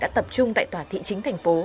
đã tập trung tại tòa thị chính thành phố